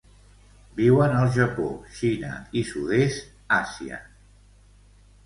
Viuen al Japó, Xina, i sud-est Àsia.